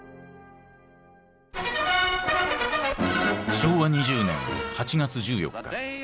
昭和２０年８月１４日。